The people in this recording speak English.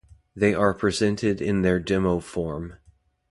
They are presented in their demo form.